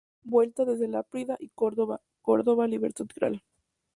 Vuelta: Desde Laprida y Córdoba, Córdoba, Libertad, Gral.